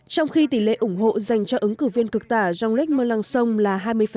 trong khi tỷ lệ ủng hộ dành cho ứng cử viên cực tả jean luc melenchon là hai mươi